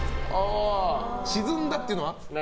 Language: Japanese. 沈んだっていうのは？